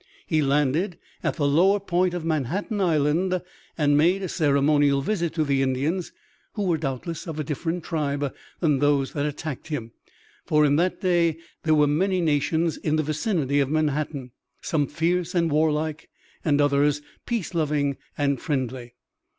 He landed at the lower point of Manhattan Island and made a ceremonial visit to the Indians, who were doubtless of a different tribe from those that attacked him, for in that day there were many nations in the vicinity of Manhattan, some fierce and warlike and others peace loving and friendly.